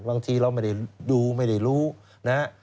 บางทีเราไม่ได้ดูไม่ได้รู้นะฮะ